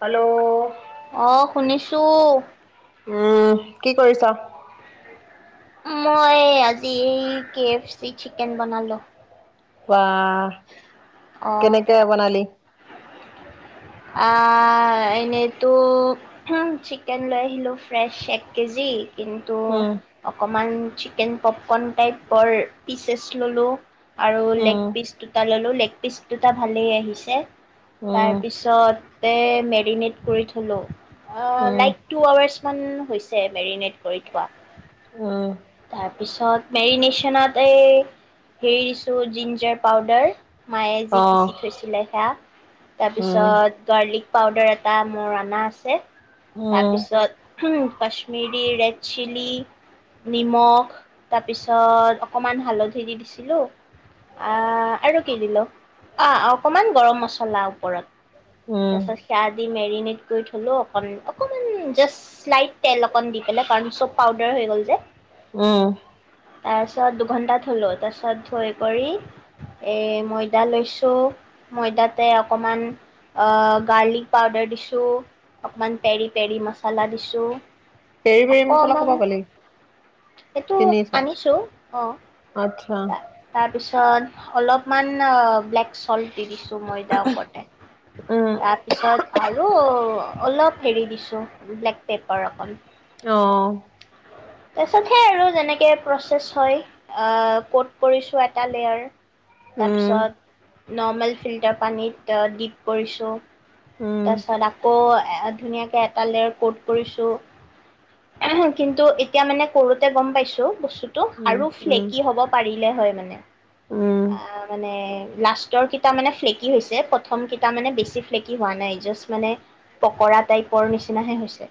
Hello. অঁ', -শুনিছোঁ। উমঁ, কি কৰিছ? মই এই আজি কে এফ চি চিকেন বনালোঁ। বাহঃ অ', কেনেকে বনালি? আঁহ' এনেইতো হুম, চিকেন লৈ আহিলোঁ ফ্ৰেছ এক কেজি। কিন্তু উম অকণমান চিকেন পপকৰ্ণ টাইপৰ পিচেছ ল'লো। আৰু উম লেগপিচ দুটা ল'লো, লেগপিচ দুটা ভালেই আহিছে। উম তাৰ- পিছতে মেৰিনেট কৰি থ'লো। উম লাইক- টু আৱাৰ্চমান হৈছে মেৰিনেট কৰি থোৱা। উম। তাৰপিছত মেৰিনেশ্যনত এই হেৰি দিছোঁ জিঞ্জাৰ পাউদাৰ। মায়ে যি অ পিচি থৈছিলে সেয়া, উম তাৰপিছত- গাৰ্লিক পাউদাৰ এটা মোৰ অনা আছে, উম তাৰপিছত- কশ্মিৰি ৰেড চিলি নিমখ তাৰপিছত অকণমান হালধি দি দিছিলো। আ' আৰু কি দিলো অ' অকণমান গৰম মছলা ওপৰত। উম তাৰপিছত সেয়া দি মেৰিনেট কৰি থ'লো অকণ অকণমান জাষ্ট শ্লাইত তেল অকণ দি। বেলেগ কাৰণ চব পাউদাৰ হৈ গ'ল যে। উম তাৰপিছত দুঘন্টা থ'লো, তাৰপিছত থৈ কৰি- এ' ময়ডা লৈছো ময়ডাটে অকণমান- আঁহ' গাৰ্লিক পাউদাৰ দিছোঁ অকণমান পেৰি-পেৰি মছলা দিছোঁ। পেৰি পেৰি মছলা ক'পা অকণমান পালি সেইটো আনিছো অ'। অঁ'। তাৰপিছত অলপমান ব্লেক চলট দি দিছো ময়দাৰ ওপৰতে, উম তাৰপিছত- আৰু অলপ হেৰি দিছোঁ ব্লেক পেপাৰ অকণ। অঁহ',। তাৰপিছত সেই আৰু যেনেকে প্ৰচেছ হয় আঁহ' ক'ত কৰিছো এটা লেয়াৰ। উম তাৰপিছত নৰ্মেল ফিল্টাৰ পানীত ডিপ কৰিছোঁ। উম তাৰপিছত আকৌ ধুনীয়াকে এটা লেয়াৰ ক'ত কৰিছোঁ। কিন্তু এতিয়া মানে কৰোতে গম পাইছোঁ বস্তুটো, টো উম আৰু উম ফ্লেকি হ'ব পাৰিলে হয় মানে। উম। মানে লাষ্টৰ কিতা মানে ফ্লেকি হৈছে। প্ৰথম কিতা মানে বেছি ফ্লেকি হোৱা নাই জাষ্ট মানে পকৰা টাইপৰ নিচিনাহে হৈছে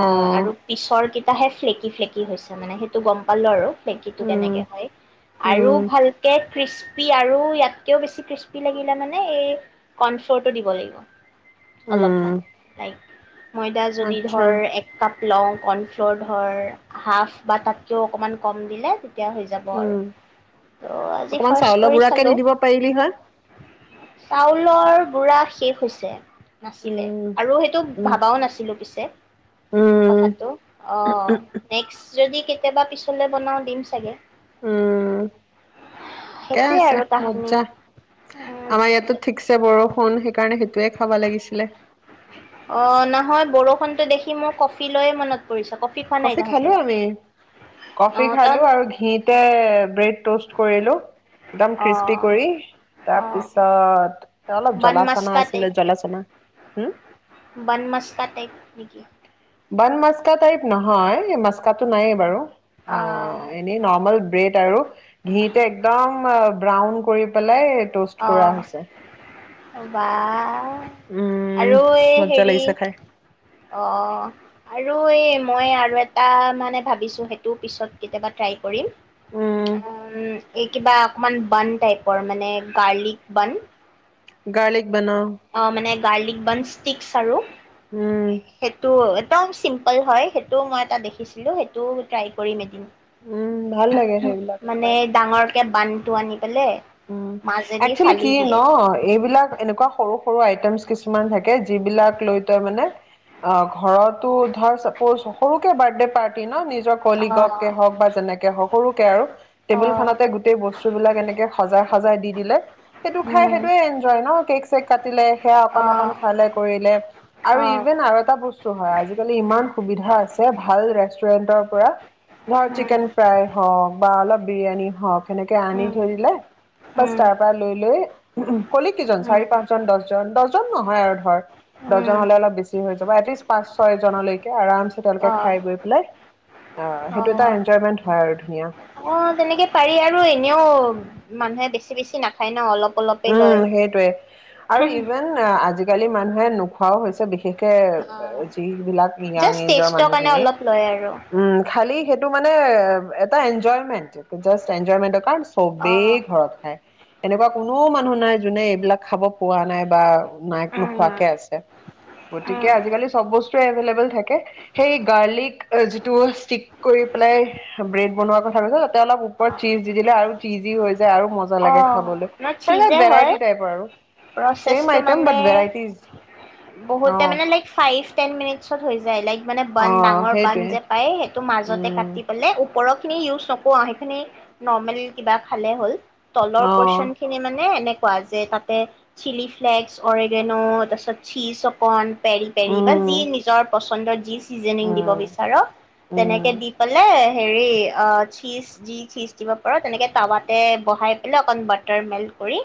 অ আৰু পিছৰ কিটাহে, ফ্লেকি ফ্লেকি হৈছে মানে সেইটো গ'ম পালো আৰু ফ্লেকিটো উম কেনেকে হয় আৰু উম ভালকে কৃস্পি আৰু ইয়াতকেও বেছি কৃস্পি লাগিলে মানে, এই কৰ্ণফ্লৌৰটো দিব লাগিব উম অলপমান। লাইক ময়দা যদি আচ্ছা ধৰ এক কাপ লওঁ কৰ্ণফ্ল'ৰ ধৰ হাফ বা তাতকেও অকনমান কম দিলে তেতিয়া হৈ যাব। বৰ উম আজি অকমান ফাৰ্ষ্ট চাউলৰ কৰি গুড়াকে দি চালোঁ দিব পাৰিলি হয় চাউলৰ গুড়া শেষ হৈছে নাছিলে উম আৰু সেইটো উম ভাবাও নাছিলোঁ পিছে উম কথাটো অ' উম, নেক্স যদি কেতিয়াবা পিছলে বনাও দিম চাগে উম ঠিকেই সেইটোৱে আছে আৰু কাহানী মজ্জা উম আমাৰ ইয়াতো ঠিকছে বৰষুণ সেইকাৰণে সেইটোৱে খাব লাগিছিলে অ' নহয় বৰষুণটো দেখি মোৰ কফি লৈয়ে মনত পৰিছে কফি খোৱা নাই কফি তাহঁতে খালোঁ আমি অ কফি তন খালোঁ আৰু ঘিতে ব্ৰেড ট'ষ্ট কৰিলোঁ একদম অ ক্ৰিস্পি কৰি অ তাৰপিছত অলপ বান জ্বলা চানা মাস্কা আছিলে জ্বলা চানা হম বন মস্কাত টেক নেকি বান মাাস্কা টাইপ নহয় এই মাস্কাটো নায়েই বাৰু অ' এনে নৰ্মেল ব্ৰেড আৰু ঘিতে একদম ব্ৰাউন কৰি পেলাই ট'ষ্ট কৰা হৈছে। অ' বা উম, আৰু এই মজ্জা হেৰি লাগিছে খাই অ' আৰু এই মই আৰু এটা মানে ভাবিছোঁ সেইটো পিছত কেতিয়াবা ট্ৰাই কৰিম উম। উ এই কিবা অকনমান বান টাইপৰ মানে গাৰ্লিক বান গাৰ্লিক বান অ' অ' মানে গাৰ্লিক বন ষ্টিকছ আৰু উম সেইটো একদম চিম্পল হয় সেইটোও মই এটা দেখিছিলোঁ সেইটোও ট্ৰাই কৰিম উম ভাল লাগে এদিন সেইবিলাক মানে খাই ডাঙৰকে বানটো আনি পেলাই উম মাজেদি একচুৱেলি ফালি কি দিয়ে ন এইবিলাক এনেকুৱা সৰু সৰু আইটেমছ কিছুমান থাকে যিবিলাক লৈ তই মানে অ' ঘৰতো ধৰ চাপ'জ সৰুকে বাৰ্থডে পাৰ্টি ন নিজৰ অ ক'লিকে হওঁক বা যেনেকে হওঁক সৰুকে আৰু অ টেবুল খনতে গোটেই বস্তু বিলাক এনেকে সজাই সজাই দি দিলে সেইটো খাই উম সেইটোৱেই এনজয় ন কেক চেক কাটিলে সেয়া অ অকন অকন খালে কৰিলে আৰু অ ইভেন আৰু এটা বস্তু আজিকালি ইমান সুবিধা আছে ভাল ৰেষ্টুৰেন্টৰ পৰা ধৰ উম চিকেন ফ্ৰাই হওঁক বা অলপ বিৰিয়ানী হওঁক তেনেকে আনি উম থৈ দিলে বাছ উম তাৰ পৰা লৈ লৈ উম ক'লিক কেইজন উম চাৰি পাঁচ জন দহ দহ জন নহয় আৰু ধৰ, উম দহজন হ'লে অলপ বেছি হৈ যাব। এটলিষ্ট পাঁচ -ছয় জনলৈকে আৰাম চে অ তেওঁলোকে খাই গৈ পেলাই অ' সেইটো এটা এনজয়মেন্ট হয় আৰু ধুনীয়া অ'! তেনেকে পাৰি। আৰু এনেও, মানুহে বেছি- বেছি না খাই ন' অলপ-অলপে উম লয়। সেইটোৱে আৰু ইভেন আজিকালি, মানুহে নোখোৱাও হৈছে, বিশেষ বিশেষকে, জাষ্ট যিবিলাক ইয়ং এজৰ টেষ্টৰ কাৰণে মানুহখিনি। অলপ লয় আৰু উম! খালি, সেইটো মানে, এটা এনজয়মেন্ট, জাষ্ট এনজয়মেন্ট। কাৰণ, চবেই অ', ঘৰত খায়। এনেকুৱা কোনো মানুহ নাই, যোনে এইবিলাক খাব পোৱা নাই বা নাই, উম, নোখোৱাকে আছে। গতিকে, উম, আজিকালি চব বস্তুৱে এভেইলেবল থাকে। সেই গাৰ্লিক, যিটো ষ্টিক কৰি পেলাই, ব্ৰেড বনোৱাৰ কথা কৈছ [unintelligible] তাতে অলপ, ওপৰত চিজ দি দিলে আৰু চিজি হৈ যায়। আৰু মজা লাগে অ', খাবলে! ন' অনেক চীজে ভেৰাইটি হয় টাইপৰ আৰু। Same item, but varieties. বহুত অ টাইম মানে, লাইক ফাইভ, টেন মিনিটচত হৈ যায় লাইক। মানে অ বান, ডাঙৰ বান সেইটোৱে যে পায়, সেইটো মাজতে উম কাটি পেলাই, ওপৰৰ খিনি ইউজ নক ৰোঁ আও। সেইখিনি, নৰ্মেল কিবা খালে হ'ল। তলৰ অ পৰ্চন খিনি মানে, এনেকুৱা যে, তাতে চিলি ফ্লেক্স, অৰিগেনো, তাৰপিছত চিজ অকন, পেৰি-পেৰি বা উম যি নিজৰ পচন্দৰ যি চিজেনিং দিব উম বিচাৰ, উম তেনেকে দি পেলাই সেৰি, অ' চিজ যি, চিজ দিব পাৰোঁ, তেনেকে টাৱাতে বহাই এনে অকন বাটাৰ মেল্ট কৰি,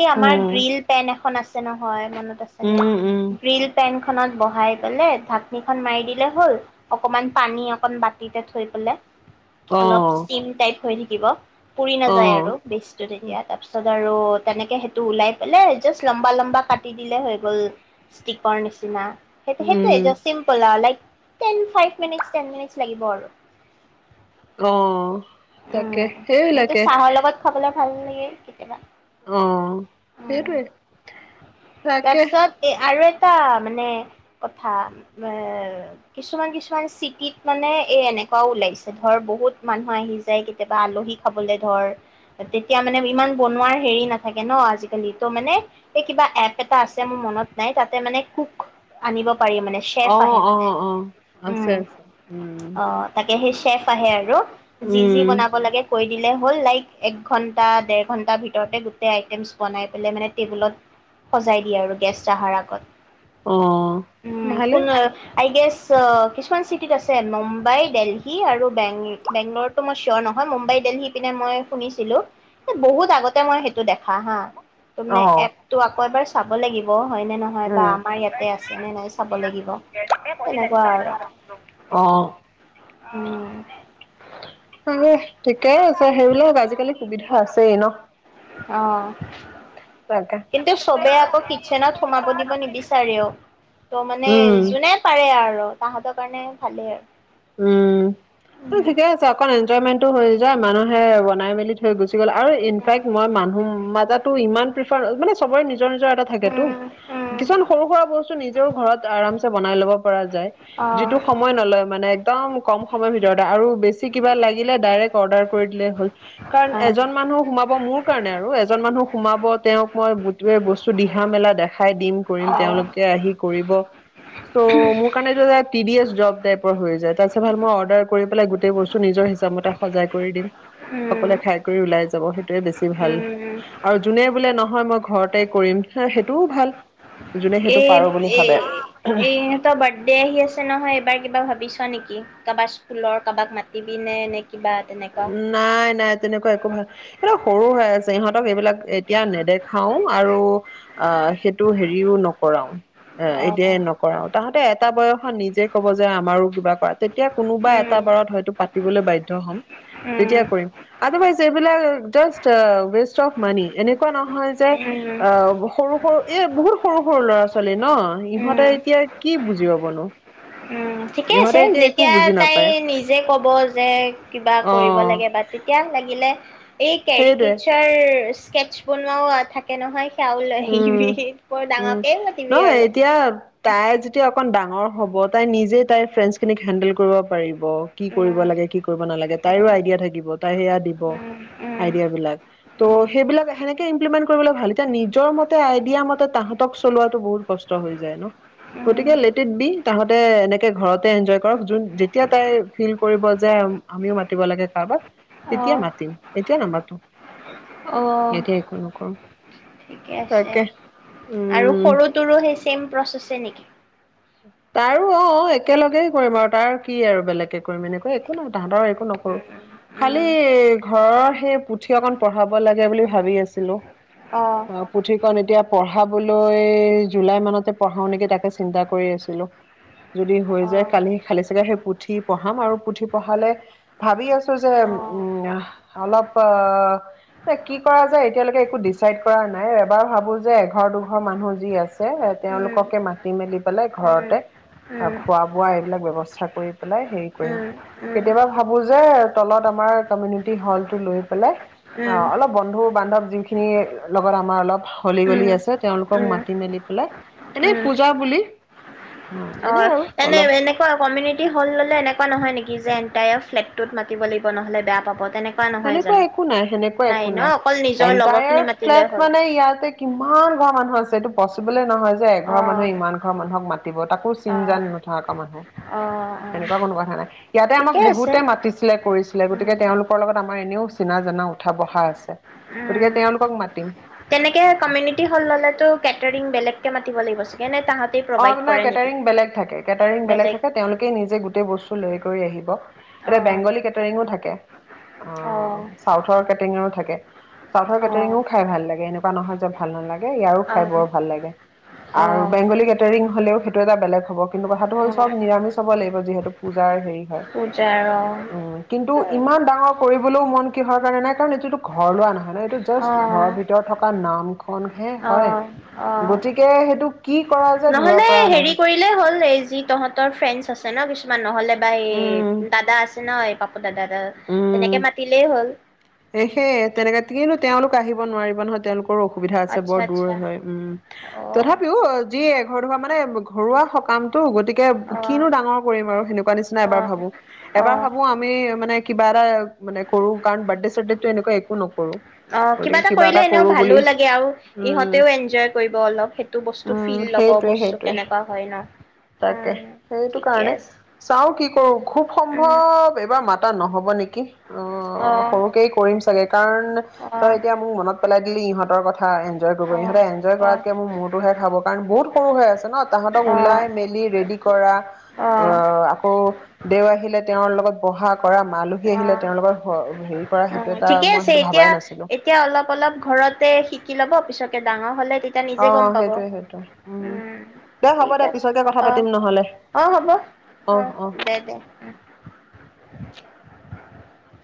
এই, আমাৰ উম গ্ৰিল পেন এখন আছে, নহয়। মনত আছেনে? উম উম গ্ৰিল পেনখনত বহাই পেলে, ঢাকনিখন মাৰি দিলে, হ'ল। অকমান, পানী অকন বাতিতে থৈ পেলে। অ অলপ ষ্টিম টাইপ হৈ থাকিব। পুৰি অ নাযায় আৰু বেচটো তেতিয়া। তাৰপিছত আৰু আৰু তেনেকে, সেইটো ওলাই পেলাই, জাষ্ট লম্বা- লম্বা কাটি দিলে, হৈ গ'ল। ষ্টিকৰ নিচিনা। উম সেইটো-সেইটোৱে, চিম্পুল আও। Like, ten, five minute, ten minutes লাগিব আৰু। অ'! তাকে, সেইবিলাকে। খাবলে ভাল লাগে, কেতিয়াবা। অ'! উম সেইটোৱে, তাকে। এই আৰু এটা, মানে কথা, [unintelligible] কিছুমান-কিছুমান চিটিত মানে, এ, এনেকুৱাও ওলাইছে ধৰ, বহুত মানুহ আহি যাই কেতিয়াবা, আলহী খাবলে ধৰ। তেতিয়া মানে, ইমান বনোৱাৰ সেৰি, নাথাকে ন' আজিকালি। ত' মানে, এই কিবা, এপ এটা আছে, মোৰ মনত নাই। তাতে মানে, কোক আনিব পাৰি মানে। চেফ অ আহে অ মানে। অ আছে উম, আছে উম অ'। তাকে সেই, চেফ আহে আৰু। যি যি উম বনাব লাগে, কৈ দিলে হ'ল, লাইক এক ঘণ্টা, ডেৰ ঘণ্টা ভিতৰতে, গোটেই আইটেমছ বনাই পেলাই মানে, টেবুলত সজাই দিয়ে আৰু গেষ্ট আহাৰ আগত। অ উম, ভালেই কোনে? আই গেছ, অ' কিছুমান চিটিত আছে। মুম্বাই, দেলহী আৰু বেং-বেংগলৰ। ত' মই, চিয়ৰ নহয়। মুম্বাই, দেলহী পিনে মই, শুনিছিলোঁ! এ, বহুত আগতে মই, সেইটো দেখা হা। অ তাৰমানে, এপটো আকৌ এবাৰ চাব লাগিব। হয়নে নহয় বা উম আমাৰ ইয়াতে, আছেনে নাই, চাব লাগিব। এ, বহি তেনেকুৱা লেক্সাৰ আৰু [unintelligible] অ'। উম, [unintelligible] ঠিকেই আছে, সেইবিলাক আজিকালি, সুবিধা আছেই ন'? অ'! তাকে কিন্তু চবে আকৌ কিটচেনত সোমাব দিব নিবিচাৰেও। ত' মানে উম যোনে পাৰে আৰু তাহতৰ কাৰণে ভালেই উম, ত' ঠিকে আছে অকণ এনজয়মেন্টটো হৈ যায় মানুহে বনাই মেলি হেই গুচি গ'ল আৰু উম, ইনফেক্ট মই মানুহ মাজাতো ইমান প্ৰি ফাৰ মানে চবৰে নিজৰ, নিজৰ এটা থাকেতো উম, উম, কিছুমান সৰু সুৰা বস্তু নিজেও ঘৰত আৰামচে যে বনাই লব পৰা যায় অ', যিটো সময় নলয় মানে একদম কম সময়ৰ ভিতৰতে আৰু বেছি কিবা লাগিলে ডাইৰেক্ট অৰ্ডাৰ কৰি দিলেই হ'ল। কাৰণ এজন মানুহ সোমাব মোৰ কাৰণে আৰু এজন মানুহ সোমাব তেওঁক মই গোটেৱে বস্তু দিহা মেলা দেখ খাই দিম কৰিম অ', অ'। তেওঁলোকে আহি কৰিব চ' কাৰণ এইটো এটা টি ডি এছ জব টাইপৰ হৈ যায়। তাছে ভাল মই অৰ্ডাৰ কৰি পেলাই গোটেই বস্তু নিজৰ হিচাপমতে সজাই কৰি দিম উম, সকলোৱে খাই কৰি ওলাই যাব সেইটোয়ে বেছি ভাল উম, আৰু যোনে বোলে নহয় মই ঘৰতে কৰিম হা সেইটোও ভাল। যোনে সেইটো পাৰো বুলি এব-এ ভাবে এই ইহঁতৰ বাৰ্থডে আহি আছে নহয় এইবাৰ কিবা ভাবিছ নেকি? কাবাৰ স্কুলৰ কাবাক মাতিবি নে, নে কিবা তেনেকুৱা। নাই, নাই তেনেকুৱা একো ভাল সিহঁতে সৰু হৈ আছে ইহঁতক এইবিলাক এতিয়া নেদেখাও আৰু অ' সেই টো হেৰিও নকৰাও অ' এতিয়া নকৰাও। তহঁতে এটা বয়সত নিজে ক'ব যে আমাৰো কিবা কৰাত যেতিয়া কোনোবা এটা উম, বাৰত হয়তো পাতিবলৈ বাধ্য হম উম, তেতিয়া কৰিম আদাৰ ৱাইচ এইবিলাক জাষ্ট ৱেষ্ট অফ মানি এনেকুৱা নহয় যে উম, অ' সৰু, সৰু ইয়ে বহুত সৰু, সৰু ল'ৰা ছোৱালি ন' ইহঁতে উম, এতিয়া কি বুজি পাবনো। উম, ঠিকে আছে ইহঁতে এতিয়া একো যেতিয়া বুজি তাই নাপায় নিজে ক'ব যে কিবা অ কৰিব লাগে বা- তেতিয়া লাগিলে এই সেইটোৱে কেৰিকেচাৰ স্কেটছ বনোৱাও আ থাকে নহয় সেয়াও লৈ উম আহিবি বৰ উম ডাঙৰকেই পাতিবি আৰু। [unintelligible] তাই যেতিয়া অকন ডাঙৰ হ'ব তাই নিজে তাইৰ ফ্ৰেণ্ডছ খিনিক হেন্দেল কৰিব পাৰিব। কি কৰিব উম, লাগে কি কৰিব নালাগে তাইৰো উম, আইডিয়া থাকিব। তাই সেয়া দিব উম, উম, আইডিয়া বিলাক ত' উম। সেইবিলাক সেনেকে ইমপ্লিমেণ্ট কৰিবলৈ ভালকে নিদ নিজৰ মতে আইডিয়া মতে তাহতক চলোৱাতো বহুত কষ্ট হৈ যায় ন, উম গতিকে লেট ইট বি তাহাঁতে এনেকে ঘৰতে ইঞ্জয় কৰক জোন যেতিয়া তাই ফিল কৰিব যে আমিও মাতিব লাগে কাৰোবাক তেতিয়া অ', মাতিম এতিয়া নামাতো অ', এতিয়া একো নকৰোঁ। ঠিকে আছে আৰু উম সৰুটোৰো সেই ছেম প্ৰচেছে নেকি? তাৰো অ' অ'একেলগেই কৰিম আৰু তাৰ কি আৰু বেলেগকে কৰিম এনেকৈ একো নাই তাহাঁতৰ একো নকৰোঁ। উম, খালি উম, এই ঘৰৰ সেই পুথি অকন পঢ়াব লাগে বুলি ভাবি আছিলোঁ। অ' পুথিখন এতিয়া পঢ়াবলৈ জুলাই মানতে পঢ়াও নেকি তাকে চিন্তা কৰি আছিলোঁ যদি হৈ যায় অ', কালি খালী চাগে সেই পুথি পঢ়াম আৰু পুথি পঢ়ালে ভাবি আছো যে অ', উম, অলপ প এ কি কৰা যায় এতিয়ালৈকে একো ডিচাইড কৰা নাই এবাৰ ভাবোঁ যে এঘৰ, দুঘৰ মানুহ যি আছে ছে উম, উম, তেওঁলোককে মাতি মেলি পেলাই উম, ঘৰতে উম, অ'খোৱা বোৱা এইবিলাক ব্যৱস্থা কৰি পেলাই হেৰি কৰিম উম, কেতিয়াবা ভাবোঁ যে তলত আমাৰ কমিউনিটি হলটো লৈ পেলাই অ'অলপ বন্ধু-বান্ধৱ যি খিনিৰ লগত আমাৰ অলপ হলি উম, গলি উম, আছে তেওঁলোকক উম, মাতি মেলি পেলাই। এনেই উম, পূজা বুলি। এনেই অ' আৰু এনে অলপ এনে কমিউনিটি হল ললে নয় নেকি যে এনটাই ফ্লেটটোত মাতি লাগিব নহলে বেয়া পাব তেনেকে। সেনেকুৱা একো নাই সেনেকুৱা একো নাই অকল নিজৰ এনটায়াৰ লগৰখিনি মাতিলে ফ্লেট হ'ল মানে ইয়াতে, কিমান ঘৰৰ মানুহ আছে এইটো পচিবলে নহয় যে এঘৰ মানুহে অ', ইমান ঘৰৰ মানুহক মাতিব তাকো চিনজান অ', নথকা মানুহ। অ', অ', সেনেকুৱা কোনো কথা নাই ইয়াতে আমাক ঠিকে আছে বহুতে মাতিছিলে কৰিছিলে গতিকে উম। তেওঁলোকৰ লগত। আমাৰ এনেও চিনা জানা উঠা বহা আছে গতিকে উম, তেওঁলোকক মাতিম। তেনেকে অ কমিউনিটি হল ল'লেতো কেটাৰিং বেলেগকে মাতি লাগিব চাগৈ নে তাহাঁত। অ' নাই কেটাৰিং বেলেগ থাকে কেটাৰিং বেলেগ থাকে তেওঁলোকে নিজে গোটেই বস্তু। লৈ কৰি আহিব এতিয়া অ', বেংগলী কেটাৰিঙো থাকে। অ' চাউথৰ কেটেৰিঙও থাকে চাউথৰ অ', কেটেৰিঙও খাই ভাল লাগে এনেকু, কুৱা নহয় যে ভাল নালাগে ইয়াৰো খাই অ', বৰ ভাল লাগে আৰু অ', বেংগলী কে কেটেংৰিঙ হলেও সেইটো এটা বেলেগ হব কিন্তু কথাটো হল অ', চব নিৰামিষ হব লাগিব যিহেতু পূজাৰ হেৰি হয় পুজাৰ অ' উম কিন্তু ইমান ডাঙৰ কৰিবলৈও মন কিহৰ কাৰণে নাই এইটোটো ঘৰ লোৱা নহয় নহয় এইটো জাষ্ট ঘৰৰ অ', ভিতৰত, থকা নাম খনহে হয় অ', অ', গতিকে সেইটো কি কৰা, যায় ধৰিব নহলে পৰা নাই হেৰি কৰি, হল এই যি তহঁতৰ ফেনচ আছে ন কিছুমান নহলে বা এই উম, দাদা আছে ন এই পাপ অ', দাদা দা, তেনেকে মাতিলে হ'ল। এহে তেনেকাে কিন্তু তেওঁলোক আহিব নোৱাৰিব নহয় তেওঁলোকৰো অসুবিধা আছে আচ্ছা ব'ৰ দূৰ আচ্ছা হয় উম। অ', তথাপিও যি এঘৰ, দুঘৰ মানে ঘৰুৱা সকামটো গতিকে, অ', কিনো ডাঙৰ কৰিম আৰু সেনেকুৱা নিচিনা এবাৰ অ', ভাবো। এবাৰ অ', ভাবো আমি মানে কিবা এটা মানে কৰো বাৰ্থডে চাৰদেতটো একোৱা একো নকৰো। অ', কিবা গতিকে এটা কৰিলে এনেও কৰো বুলি ভালো লাগে আৰু, উম, ইহঁতেও এনজয় কৰিব অলপ সে, এটো বস্তু উম ফিল ল'ব, সেইটোৱে বস্তু সেইটোৱে। কেনেকুৱা হয় ন। তাকে উম সেইটো ঠিকে কাৰণে, আছে চাও কি কৰো খুব উম সম্ভৱ এবাৰ মা তা নহ'ব নেকি অ', সৰুকে কৰিম চাগে কাৰণ অ তই এতিয়া মোৰ মনত, পেলাই দিলি সিহঁতৰ কথা এনজয় কৰিব অ ইহঁতে এনজয় অ কৰাতকে মোৰ মূৰটো হে খাব কাৰণ বহুত সৰু হৈ আছে ন। তাহতক ওলাই মেলি ৰেডি কৰা, অ', আকৌ, দেও আহিলে তেওঁৰ লগত বহা কৰা, আলহী অ আহিলে তেওঁৰ লগত অ' হ, হেৰি কৰা অ সেইটো এটা, ঠিকে মই আছে সেইটো এতিয়া ভাবাই নাছিলো। এতিয়া অলপ অলপ ঘৰতে শিকি ল'ব পিছকে ডাঙৰ হ'লে তে, তিয়া অ নিজে গ'ম পাব, সেইটোৱে সেইটোৱে উম। দে হ'ব ঠিক দে আছে, পিছতকে কথা অ', পাতিম নহ'লে অ', হ'ব, অ', দে দে।